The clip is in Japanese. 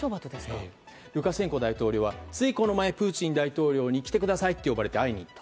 ルカシェンコ大統領はついこの前、プーチン大統領に会いに来てくださいと呼ばれて会いに行った。